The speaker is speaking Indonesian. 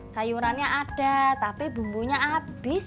sayurannya ada tapi bumbunya habis